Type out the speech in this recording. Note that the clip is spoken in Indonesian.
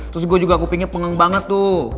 terus gua juga kupingnya pengang banget tuh